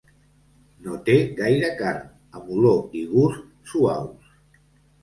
No té gaire carn, amb olor i gust suaus.